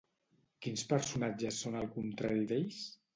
Quins personatges són el contrari d'ells?